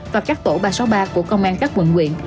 và các tổ ba trăm sáu mươi ba của công an các quận nguyện